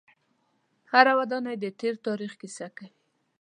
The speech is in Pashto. هره ودانۍ د تیر تاریخ کیسه کوي.